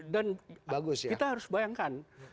dan kita harus bayangkan